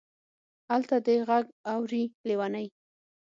الته دې غږ اوري لېونۍ.